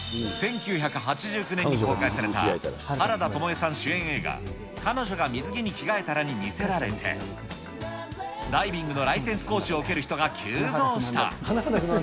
１９８９年に公開された原田知世さん主演映画、彼女が水着にきがえたらに見せられて、ダイビングのライセンス講習を受ける人が急増した。